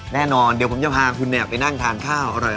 แน่นอนเดี๋ยวผมจะพาคุณไปนั่งทานข้าวอร่อย